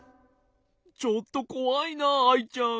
ちょっとこわいなアイちゃん。